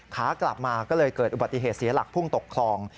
ขากลับมาก็เลยเกิดอุบัติเหตุเสียหลักพุ่งตกคลอง